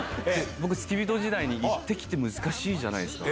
僕、付き人時代に一滴って難しいじゃないですか。